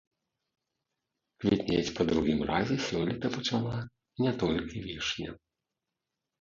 Квітнець па другім разе сёлета пачала не толькі вішня.